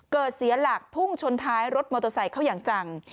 เสียหลักพุ่งชนท้ายรถมอเตอร์ไซค์เข้าอย่างจัง